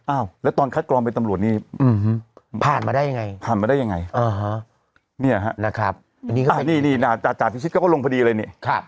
อ้าวแล้วตอนคัดกรอบเป็นตำรวจนี้ผ่านมาได้ยังไงผ่านมาได้ยังไงอ่าฮะเนี่ยนะครับอันนี้ก็ลงพอดีเลยเนี่ยค่ะ